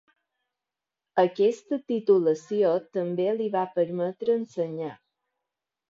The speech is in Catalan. Aquesta titulació també li va permetre ensenyar.